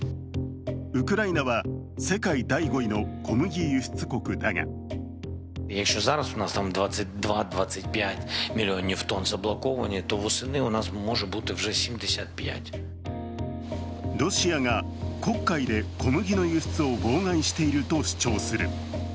ウクライナは世界第５位の小麦輸出国だがロシアが黒海で小麦の輸出を妨害していると主張する。